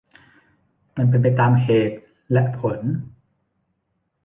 มันเป็นไปตามเหตุและผล